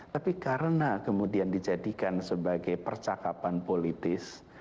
tapi karena kemudian dijadikan sebagai percakapan politis